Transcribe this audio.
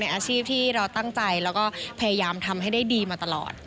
อาชีพที่เราตั้งใจแล้วก็พยายามทำให้ได้ดีมาตลอด